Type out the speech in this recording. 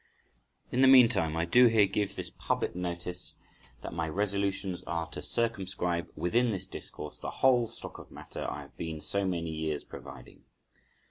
In the meantime, I do here give this public notice that my resolutions are to circumscribe within this discourse the whole stock of matter I have been so many years providing.